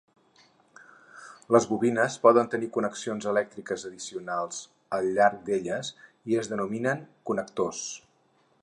Les bobines poden tenir connexions elèctriques addicionals al llarg d'elles i es denominen connectors.